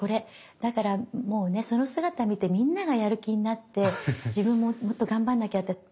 だからもうねその姿見てみんながやる気になって自分ももっと頑張んなきゃって。